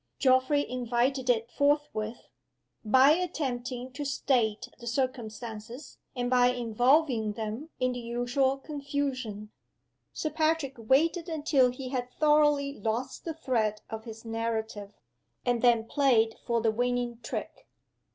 Geoffrey invited it forthwith, by attempting to state the circumstances, and by involving them in the usual confusion. Sir Patrick waited until he had thoroughly lost the thread of his narrative and then played for the winning trick.